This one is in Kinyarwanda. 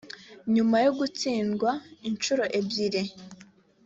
nyuma yo gutsindwa incuro ebyiri